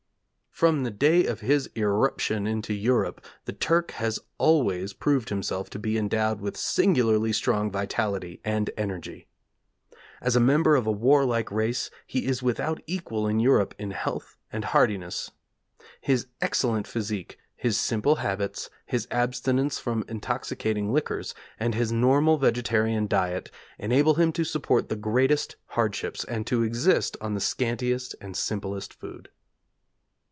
'From the day of his irruption into Europe the Turk has always proved himself to be endowed with singularly strong vitality and energy. As a member of a warlike race, he is without equal in Europe in health and hardiness. His excellent physique, his simple habits, his abstinence from intoxicating liquors, and his normal vegetarian diet, enable him to support the greatest hardships, and to exist on the scantiest and simplest food.'